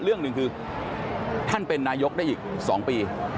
เรื่องหนึ่งคือท่านเป็นนายกได้อีก๒ปี